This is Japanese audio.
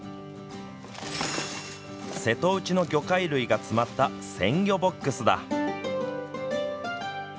瀬戸内の魚介類が詰まった鮮魚ボックスだ。